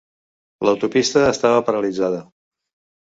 L'autopista estava paralitzada.